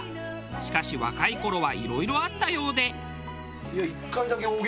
しかし若い頃はいろいろあったようで。